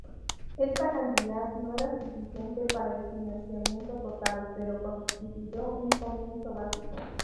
Esta cantidad no era suficiente para el financiamiento total, pero constituyó un comienzo básico.